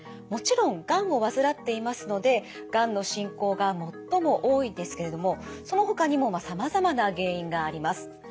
もちろんがんを患っていますのでがんの進行が最も多いですけれどもそのほかにもさまざまな原因があります。